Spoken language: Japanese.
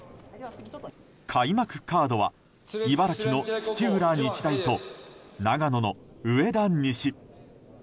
開幕カードは茨城の土浦日大と長野の上田西。